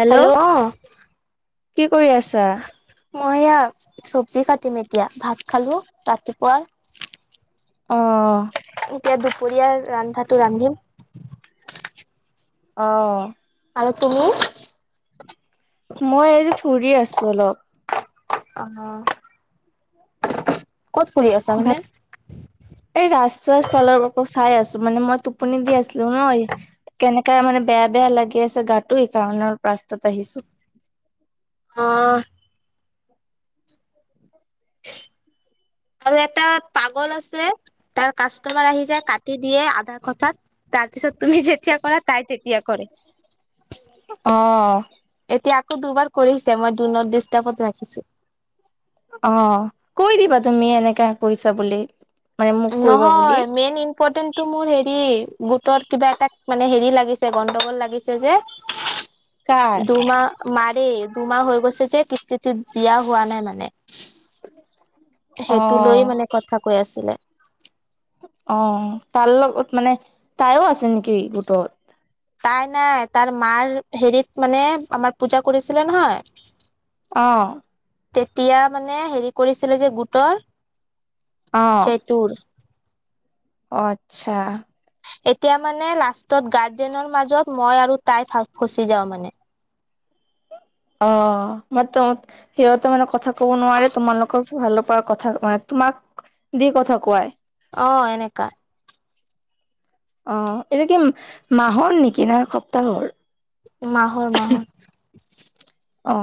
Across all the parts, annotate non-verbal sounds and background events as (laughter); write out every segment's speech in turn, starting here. Hello কি কৰি আছা মই এয়া চব্জি, কাটিম এতিয়া ভাত খালোঁ ৰাতিপুৱাৰ অঁ এতিয়া দুপৰীয়াৰ ৰন্ধাতো ৰান্ধিম। অ আৰু তুমি- মই আজি ফুৰি আছো অলপ। অ (unintelligible) ক'ত ফুৰি আছা মানে। ভাত এই ৰাস্তা ফালৰ আ চাই আছো মানে মই টোপনি দি আছিলো নহ। কেনেককা মানে বেয়া বেয়া লাগি আছে গাতটো স কাৰণে ৰাস্তাত আহিছো। অ (unintelligible) আৰু এটা পাগল, আছে তাৰ কাষ্টমাৰ আহি যায় কাটি দিয়ে আধা কথাত তাৰ পিছত তুমি যেতিয়া কৰা তাই তেতিয়া কৰে। অ এতিয়া আকৌ দুবাৰ কৰিছে মই ডুনট ডষ্টাপত ৰাখিছো। অ কৈ দিবা তুমি এনেকাে কৰিছা বুলি- মানে মোক কৰিবা বুলি। নহয় মেইন ইম্পৰ্টেণ্ট তটো মোৰ হেৰি গোটৰ কিবা এটা মানে হেৰি লাগিছে গণ্ডগোল লাগিছে। যে (unintelligible) দুমাহ মানে দুমাহ হৈ গৈছে যে কিস্তিতি দিয়া হোৱা নাই মানে। তাকে সেইটো লৈ মানে কথা কৈ আছিলে। অ তাৰ লগত মানে তাইও আছে নেকি গোটত, তাই নাই তাৰ মাৰ হেৰিত মানে আমাৰ পূজা কৰিছিলে নহয়। অ তেতিয়া মানে হেৰি কৰিছিলে যে গোটৰ অঁ তোৰ অ আচ্ছা এতিয়া মানে লাষ্টত গাৰ্জেনৰ মাজত মই আৰু তাই ফচি যাওঁ মানে। অ মান ত সিহঁতে মানে কথা ক'ব নোৱাৰে তোমালোকৰ ভালৰ পৰা কথা মানে তোমাক দি কথা কোৱাই। অ এনেকা- অ এইটো কি মাহৰ, নেকি না সপ্তাহৰ মাহৰ- মাহৰ অ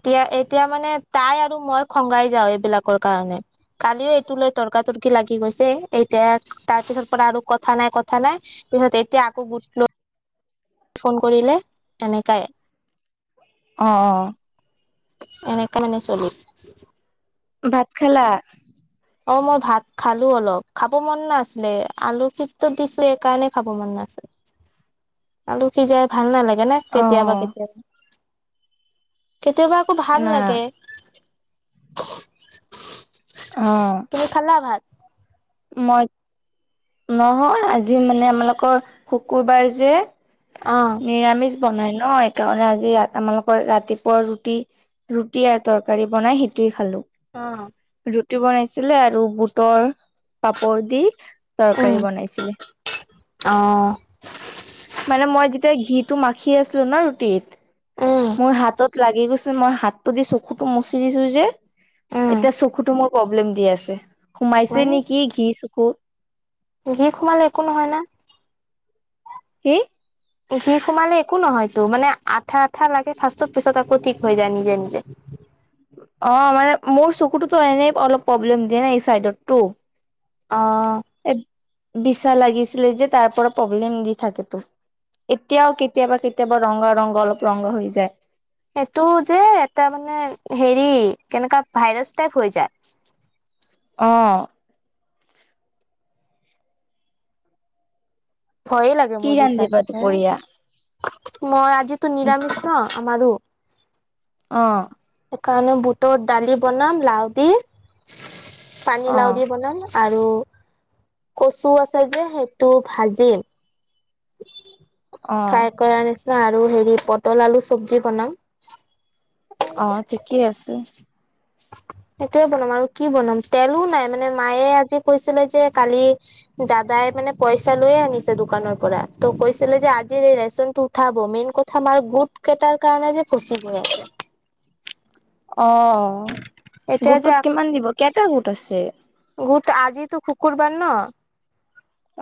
এতিয়া এতিয়া মানে তাই আৰু মই খগাই যাওঁ এইবিলাকৰ কাৰণে কালিও এইটো লৈ তৰ্কা তৰ্কি লাগি গৈছে। এতিয়া তাৰপিছত পৰা আৰু কথা নাই কথা নাই পিছত এতিয়া আকৌ গোট লৈ ফোন কৰিলে এনেকাই অ অ এনেকা মানে চলিছ ভাত, খালা? অ মই ভাত খালো অলপ খাব মন নাছিলে আলুত সেইটো দিছো সেইকাৰণে খাব মন নাছিলে (unintelligible) আলু সিজাই ভাল নালাগে না অ কেতিয়াবা কেতিয়াবা কেতিয়াবা আকৌ ভাল না লাগে অ তুমি খালা ভাত মই নহয় আজি মানে আমালোকৰ শুকুৰবাৰ যে অ নিৰামিষ বনাই ন সেইকাৰণে আজি আমালোকৰ ৰাতিপুৱা ৰুটি ৰুটি আৰু তৰকাৰী বনাই সেইটোৱে খালো। অ ৰুটি বনাইছিলে আৰু বুটৰ পাপৰ দি উম তৰকাৰী বনাইছিলে। অ মানে মই যেতিয়া ঘিটো মাখি আছিলো ন ৰুটিত উম মোৰ হাতত লাগি গৈছে মই হাতটো দি চকুটো মচি দিছো যে, উম এতিয়া চকুটো মোৰ প্ৰব্লেম দি আছে সোমাইছে মানে নেকি ঘি চকুত ঘি সোমালে একো নহয় না কি ঘি সোমালে একো নহয়তো মানে আঠা আঠা লাগে ফাৰ্ষ্টত পিছত আকৌ ঠিক হৈ যায় নিজে নিজে অ মানে মোৰ চকুটোতো এনেই অলপ প্ৰব্লেম দিয়ে নাই এই চাইডতো অ এ বিছা লাগিছিলে যে তাৰ পৰা প্ৰব্লেম দি থাকেতো এতিয়াও কেতিয়াবা কেতিয়াবা ৰঙা ৰঙা অলপ ৰঙা হৈ যায় এইটো যে এটা মানে হেৰি কেনেকা ভাইৰাছ টাইপ হৈ যায় অ ভয়ে লাগে কি মোৰ বিচা ৰান্ধিবা চিচা দুপৰীয়া মই আজিতো নিৰামিষ ন আমাৰো অ শুকানে বুটৰ দালি বনাম লাউ দি পানী অ লাও দি বনাম। আৰু কচু আছে যে সেইটো ভাজিম অ ফ্ৰাই কৰাৰ নিচিনা আৰু হেৰি পটল আলু চব্জি বনাম। অ ঠিকেই আছে সেইটোৱে বনাম আৰু কি বনাম তেলো নাই মানে মায়ে আজি কৈছিলে যে কালি দাদাই মানে পইচা লৈয়ে আনিছে দোকানৰ পৰা ত কৈছিলে যে আজিৰ এই ৰেচনটো উঠাব মেইন কত আমাৰ গোট কেইটাৰ কাৰণে যে ফচি গৈ আছে অ এতিয়া গোটত যে কিমান দিব কেইটা গোট আছে গোট আজিতো শুকুৰবাৰ ন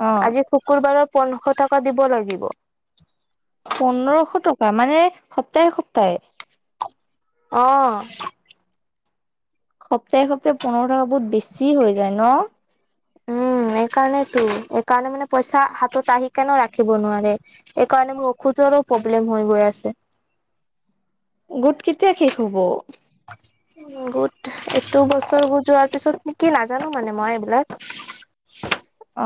অ আজি শুকুৰবাৰৰ পোন্ধশ টকা দিব লাগিব। পোন্ধৰশ টকা মানে সপ্তাহে সপ্তাহে অ সপ্তাহে সপ্তাহে পোন্ধৰশ টকা বহুত বেছি হৈ যায় ন উম এইকাৰণেতো এইকাৰণে মানে পইচা হাতত আহি কেনে ৰাখিব নোৱাৰে। সেইকাৰণে মোৰ ঔষধৰো প্ৰব্লেম হৈ গৈ আছে। গোট কেতিয়া শেষ হ'ব উ গোট এইটো বছৰ যোৱাৰ পিছত ন কি ফ্ট মানে মই এইবিলাক অ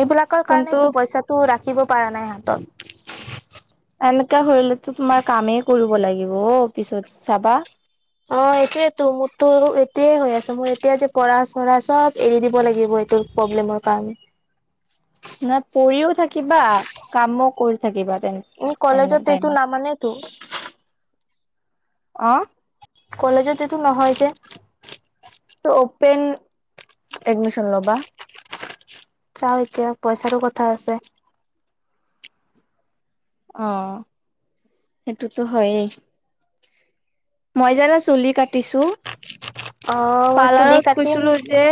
এইবিলাকৰ কাৰণে কিন্তু টো পইচাটো ৰাখিব পৰা নাই হাতত। এনেকা হলেতো তোমাৰ কামেই কৰিব লাগিব অঁ পিছত চাবা। অঁ এইটোয়েতো মোৰতো এইটোয়ে হৈ আছো মোৰ এতিয়া যে পঢ়া চ়হাচব এৰি দিব লাগিব এইটোৰ প্ৰব্লেমৰ কাৰণে নাই পৰিঢ়িও থাকিবা কামো কৰি থাকিবা তেনেকে কলেজত এইটো নামানেতো। অঁ কলেজত এইটো নহয় যে। তো অপেন এডমিশন ল'বা। চাও এতিয়া পইচাৰো কথা আছে। অঁ সেইটোতো হয়েই মই জানা চুলি কাটিছো। অ মই চুলি পাৰ্লাৰত কাটিম কৈছিলো যে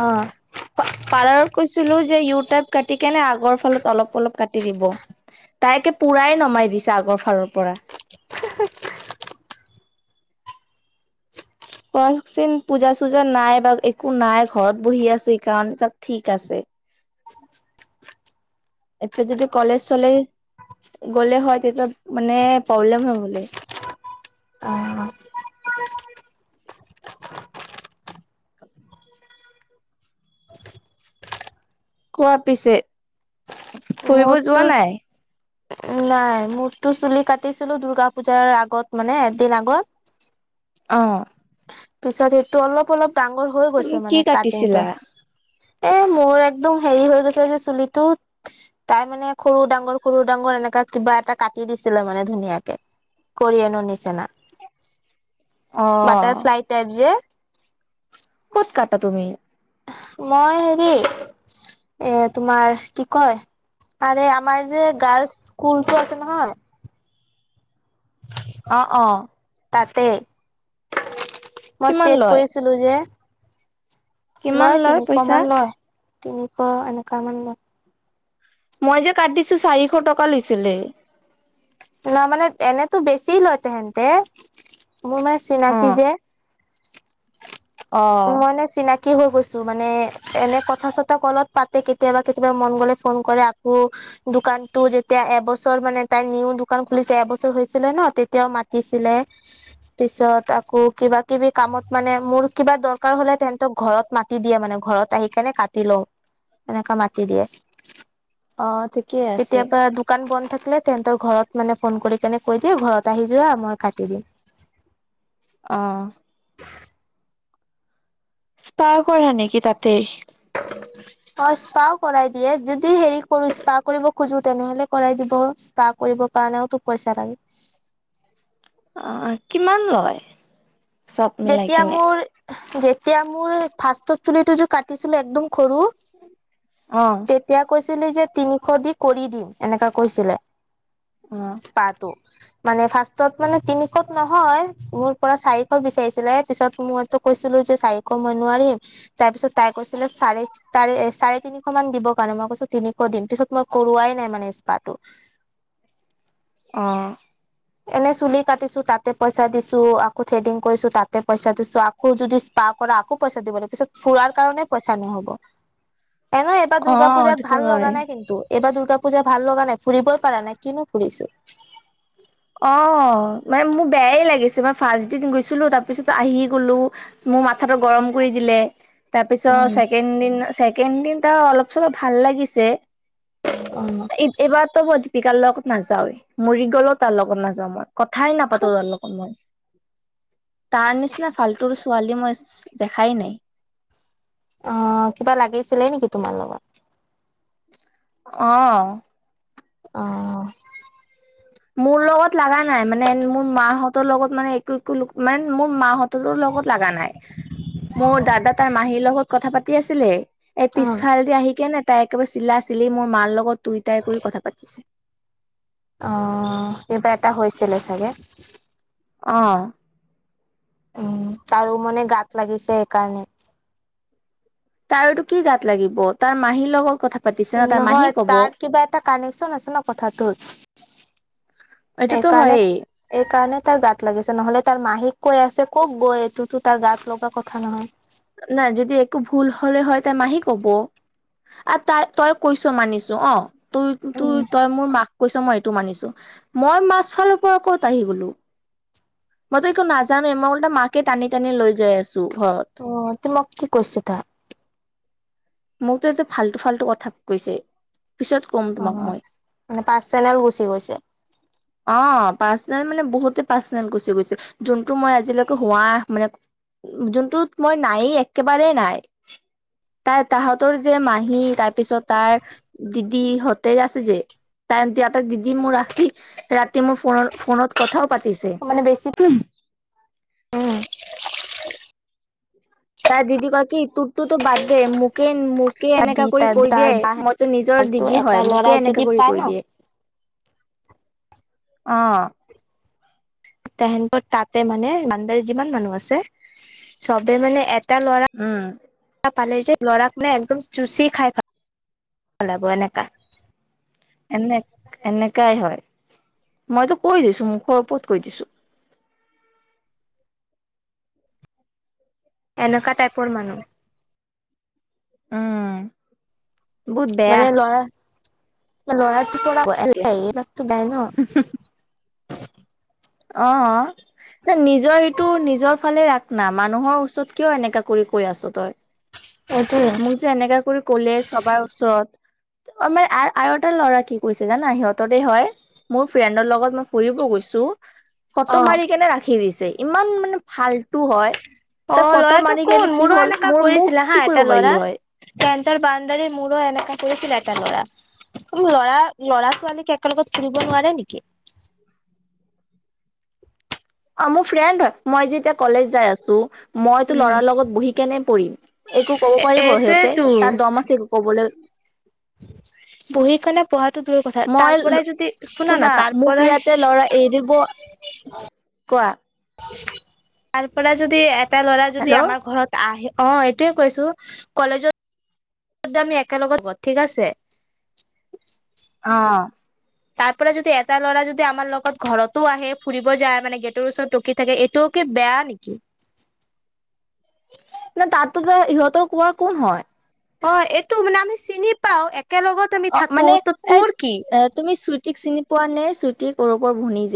অ পালাৰ্ত কৈছিলো যে ইও টাইপ কাটি কেনে আগৰ ফালত অলপ অলপ কাটি দিব। তাইকে পুৰাই নমাই দিছে আগৰ ফালৰ পৰা, কওকচোন পূজা চূজা নাই বা একো নাই ঘৰত বহি আছে সেকাৰণে তাত ঠিক আছে (inaudible) এতিয়া যদি কলেজ চলেজ গ'লে হয় তেতিয়া মানে প্ৰব্লেম হয় গ'লহেতি অঁ অঁ! কোৱা পিছে ফুৰিব মোৰ যোৱা তোচ নাই নাই মোৰতো চুলি কাটিছিলো দূৰ্গা পূজাৰ আগত মানে এদিন আগত। অঁ! পিছত সেটো অলপ অলপ ডাঙৰ হৈ তুমি গৈছে কি মানে কাটিছিলা কাটিংটো। এ মোৰ একদম হেৰি হৈ গৈছে যে চুলিটোত- তাই মানে সৰু ডাঙৰ সৰু ডাঙৰ এনেকা কিবা এটা কাটি দিছিলে মানে ধুনীয়াকে। কৰি আনো নিচিনা অ বাটাৰফ্লাই টাইপ যে ক'ত কাটা তুমি। মই হেৰি এ তোমাৰ কি কয়! আৰে আমাৰ যে গাৰ্লচ স্কুলটো আছে নহয়- অঁ অঁ! তাতে মই কিমান ষ্টেট লয় কৰিছিলো যে। কিমান লয় তিনিশ পইচা মান লয় তিনিশ এনেকা মান লয়। মই যে কাটছো চাৰিশ টকা লৈছিলে ন মানে এনেতো বেছি লয় তেহেনতে মোৰ মানে অ চিনাকি যে। অ উমঁ মনেচ চিনাকি হৈ গৈছো মানে এনে কথা চথা কলত পাতে কেতিয়াবা কেতিয়াবা মন গ'লে ফোন কৰে আকৌ দোকানতটো যেতিয়া এবছৰ মানে তাই নিউ দোকান খুলিছে এবছৰ হৈছিলে ন তেতিয়াও মাত দিছিলে পিছত আকৌ কিবা কিবি কামত মানে মোৰ কিবা দৰকাৰ হ'লে তেন্তেক ঘৰত মাতে- কাটি দিয়ে মানে ঘৰত আহি কেনে কাটি লওঁ এনেকা মাতি দিয়ে। অ ঠিকেই আছে। কেতিয়াবা দোক দোকান বন্ধ থাকিলে তেহঁতৰ ঘৰত মানে ফোন কৰি কেনে কৈ দিয়ে ঘৰত আহি যোৱা মই কাটি দিম। অঁ! স্পাৰ কৰা নেকি তাতেই? নম (unintelligible) অ স্পাও কৰাই দিয়ে, যদি হেৰি কৰো স্পা কৰিব খোজো তেনেহলে কৰাই দিব। ইচ পা কৰিব কাৰণেওতো পইচা লাগে। অ কিমান লয়? চব মিলাই যেতিয়া কিনে। মোৰ, এহ যেতিয়া মোৰ ফাষ্টৰ চুলিটো যে কাটিছিলো একদম সৰু অ। তেতিয়া কৈছিলি যে তিনিশ দি কৰি দিম এনেকা কৈছিলে। অ স্পাটো। মানে ফাৰ্ষ্টত মানে তিনিশত নহয়, মোৰ পৰা চাৰিশ বিচাৰিছ ছিলে পিছত মইতো কৈছিলো যে চাৰিশ মই নোৱাৰিম তাৰ পিছত তাই কৈছিলে চাৰি তাৰে চাৰে তিনিশ মান দিবৰ কাৰণে মই কৈছো তিনিশ দিম পিছত মই কৰোৱাই নাই মানে স্পাটো। অঁ। এনে চুলি কাটিছো তাতে পইচা দিছো আকৌ থ্ৰেডিং কৰিছো তাতে পইচা দিছো আ কৌ যদি স্পা কৰা আকৌ পইচা দিব লাগে পিছত ফুৰাৰ কাৰণে পইচা নহ'ব। এনে উ (inaudible) এইবাৰ দুৰ্গা পুজাত ভাল লগা নাই কিন্তু এইবাৰ দূৰ্গা পুজা ভাল লগা নাই, ফুৰিবই পাৰা নাই কিনো ফুৰিছো। অ মানে মোৰ বেয়াই লাগিছে, মই ফাৰ্ষ্ট দিন গৈছিলো তাৰপিছত আহি গলো মোৰ মাথাটো গৰম কৰি দিলে। তাৰপিছত উম ছেকেণ্ড দিন ছেকেণ্ড দিনটা অলপ - চলপ ভাল লাগিছে অ। এই এইবাৰতো মই দীপিকাৰ লগত নাযাও, মৰি গ'লো তাৰ লগত নাযাও মই, কথাই অ নাপাতো তাৰ লগত। (inaudible) তাৰ নিচিনা ফালতুৰ ছোৱালী মই ইচ ইচ দেখাই নাই। অ কিবা লাগিছিলে নেকি তোমাৰ লগত? অ। অ। মোৰ লগত লাগা নাই মানে মোৰ মাহঁতৰ লগত মানে একো একো লো মানে মোৰ মাহঁত টোৰো লগত লাগা নাই, মোৰ দাদা তাৰ মাহীৰ লগত কথা পাতি আছিলে এ অ পিছফালেদি আহি কেনে তাই একেবাৰে চিলা - চিলি মোৰ মাৰ লগত তুই তাই কৰি কথা পাতিছে। অহ, কিবা এটা হৈছিলে চাগে? অ। উম, তাৰো মানে গাত লাগিছে সেইকাৰণে। তাৰটো কি গাত লাগিব তাৰ মাহীৰ লগত কথা পাতিছে ন তাৰ মাহী নহয় কব। তাৰ কিবা এটা কানেকচন আছে ন কথাটোত। এটোতো এইকাৰণে হয়। এইকাৰণে তাৰ গাত লাগিছে, নহলে তাৰ মাহীক কৈ আছে কওক ব এইটোতো তাৰ গাত লগা কথা নহয়। নাই যদি একো ভুল হলে হয় তাৰ মাহী কব। আ তাই তই কৈছ মানিছো অ, তই তো তই মোৰ মাক কৈছ মই এইটো মানিছো, মই মাজ ফালৰ পৰা ক'ত আহি গলো। মইতো একো নাজানোয়ে, মই ওলটা মাকে টানি - টানি লৈ যাই আছো ঘৰত। অ তোমাক কি কৈছে তা? মোকতো এতে ফাল্টু ফাল্টু কথা কৈছে পিছত ক'ম অ (inaudible) তোমাক মই মানে পাৰ্চেনেল গুচি গৈছে। অ পাৰ্চনেল মানে বহুতে পাৰ্চনেল গুচি গৈছে। যোনটো মই আজিলৈকে হোৱা মানে যোনটোত মই নাই একেবাৰে নাই। তাই তাহঁতৰ যে মাহী তাৰপিছত তাৰ দিদিহঁতে আছে যে তাৰ তেহতক দিদি মোৰ ৰাতি ৰাতি মোৰ ফ ফোনত কথাও পাতিছে মানে বেছি উম, তাই দিদি কয় কি তোৰ তটো বাদ দে মু মোকে মোকে দি এনেকা কৰি কৈ তাৰ দিয়ে বাহ মইতো নিজৰ দিদি এটা হয় ল'ৰা মোকে যদি এনেকা কৰি পায় ন কৈ দিয়ে অ তেহেতৰ তাতে মানে মানদাৰী যিমান মানুহ আছে চবে মানে এক এটা উম ল'ৰা পালে যে ল'ৰাক মানে একদম চুচি খাই ভা পেলাব এনেকা এনে এনেকাই হয় মইতো কৈ দিছো মুখৰ ওপৰত কৈ দিছো এনেকা টাইপৰ মানুহ উম বহুত বেয়া মানে লৰা ল'ৰাটো এনেকাই অ ন নিজৰ এইটো নিজৰ ফালে ৰাখ না মানুহৰ ওচৰত কিয় এনেকা কৰি কৈ আছ তই সেইটোয়ে মোক যে এনেকা কৰি ক'লে চবাৰ ওচৰত আমাৰ আৰু এটা ল'ৰা কি কৰিছে জানা সিহঁতৰে হয় মোৰ ফ্ৰেণ্ডৰ লগত মই ফুৰিব গৈছো ফটো অ' মাৰি কেনে ৰাখি দিছে ইমান মানে ফাল্টু হয় অ তই ফটো ল'ৰাটো মাৰি কেনে কোন কি মোৰো হ'ল এনেকা মোৰ মোক কৰিছিলে হা কি কৰিব এটা ল'ৰা পাৰিলি হয় তাৰ বান্ডাৰীৰ মোৰো এনেকা কৰিছিলে এটা লৰাই মানে লৰা লৰা ছোৱালীক একেলগত ফুৰিব নোৱাৰে নেকি অ মোৰ ফ্ৰেণ্ড হয় মই যেতিয়া কলেজ যাই আছো মইতো উম লৰাৰ লগত বহি কেনে পঢ়িম একো কব এ পাৰিব সিহঁতে এইটোয়েতো তাৰ দম আছে কবলে বহি কেনে পঢ়াটো দূৰৰ কথা মই তাৰ পৰাই যদি শুনা না তাৰ পৰাই এৰিব কোৱা তাৰ পৰা যদি এটা ল'ৰা যদি হেল্ল' আমাৰ ঘৰত আহে অ এইটোয়ে কৈছো কলেজত আমি একেলগত ঠিক আছে অ তাৰ পৰা যদি এটা ল'ৰা যদি আমাৰ লগত ঘৰতো আহে ফুৰিব যায় মানে গেটৰ ওচৰত ৰখি থাকে ত কি বেয়া নেকি নে তাতো যে ইহঁতৰ কোৱাৰ কোন হয়? অ এইটো মানে আমি চিনি পাও একেলগত আমি অ থাকো মানে ত এ তোৰ কি? এ তুমি শ্ৰুতিক চিনি পোৱা নে শ্ৰুতি গৌৰবৰ ভনি যে।